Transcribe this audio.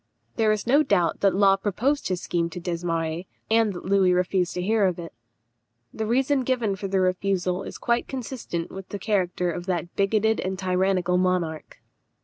There is no doubt that Law proposed his scheme to Desmarets, and that Louis refused to hear of it. The reason given for the refusal is quite consistent with the character of that bigoted and tyrannical monarch.